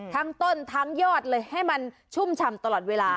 ทั้งต้นทั้งยอดเลยให้มันชุ่มฉ่ำตลอดเวลา